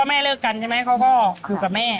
ก็พ่อแม่เลิกกันใช่ไหมพ่ออยู่กับแม่